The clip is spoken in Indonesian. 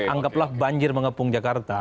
anggaplah banjir mengepung jakarta